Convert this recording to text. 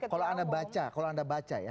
kalau anda baca ya